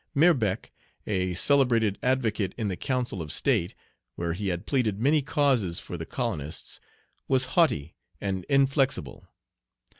Mirbeck, a celebrated advocate in the council of state, where he had pleaded many causes for the colonists, was haughty and inflexible.